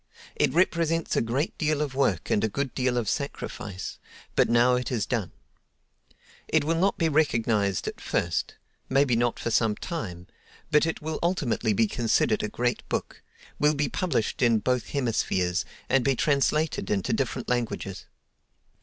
It represents a great deal of work and a good deal of sacrifice, but now it is done. It will not be recognized at first—maybe not for some time—but it will ultimately be considered a great book, will be published in both hemispheres, and be translated into different languages.